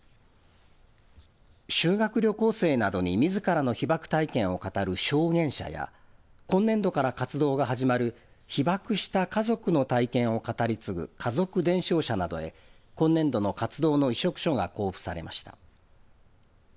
修学旅行生などにみずからの被爆体験を語る証言者や今年度から活動が始まる被爆した家族の体験を語り継ぐ家族伝承者などへ今年度の活動の委嘱書が交付されました。